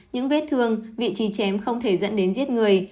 những vết thương vị trí chém không thể dẫn đến giết người